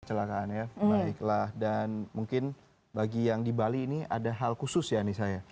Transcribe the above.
celakaan ya baiklah dan mungkin bagi yang di bali ini ada hal khusus ya nisa ya